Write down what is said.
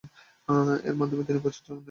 এর মাধ্যমে তিনি প্রচুর জনপ্রিয়তা পান।